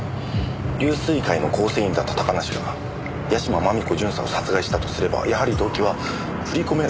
龍翠会の構成員だった高梨が屋島真美子巡査を殺害したとすればやはり動機は振り込め